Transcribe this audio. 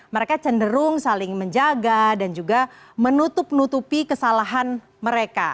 mereka cenderung saling menjaga dan juga menutup nutupi kesalahan mereka